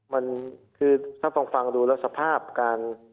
มันคือถ้าฟังดูแล้วสภาพการ